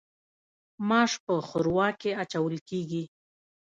ماش په ښوروا کې اچول کیږي.